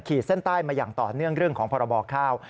เส้นใต้มาอย่างต่อเนื่องเรื่องของพรบข้าว